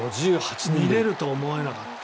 見れると思わなかった。